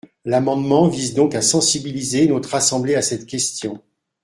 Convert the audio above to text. L’amendement vise donc à sensibiliser notre assemblée à cette question.